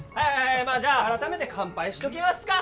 まあじゃあ改めて乾杯しときますか。